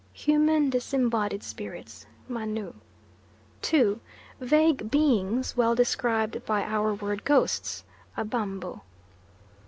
Human disembodied spirits Manu. 2. Vague beings, well described by our word ghosts: Abambo.